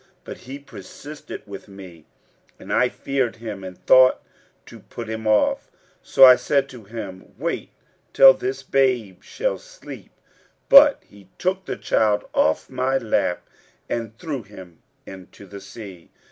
But he persisted with me, and I feared him and thought to put him off; so I said to him, 'Wait till this babe shall sleep'; but he took the child off my lap and threw him into the sea.